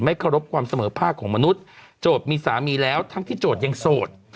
เคารพความเสมอภาคของมนุษย์โจทย์มีสามีแล้วทั้งที่โจทย์ยังโสด